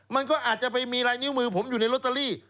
มันก็อาจจะมีลายมือผมอยู่ในโรตเตอรี่